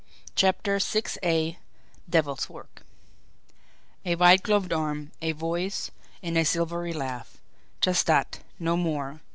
CHAPTER VI DEVIL'S WORK A white gloved arm, a voice, and a silvery laugh! Just that no more!